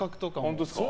本当ですか？